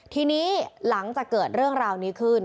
ทีนี้หลังจากเกิดเรื่องราวนี้ขึ้น